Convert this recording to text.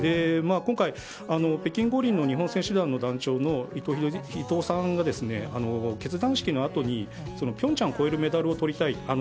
今回、北京五輪の日本選手団の団長の伊東さんが結団式のあとに平昌を超えるメダルをとりたい。